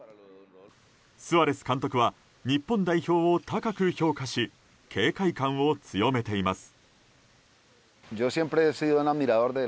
スアレス監督は日本代表を高く評価し警戒感を強めています。